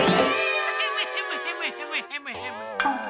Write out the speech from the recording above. ヘムヘムヘムヘム。